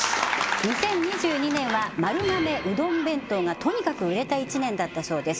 ２０２２年は丸亀うどん弁当がとにかく売れた１年だったそうです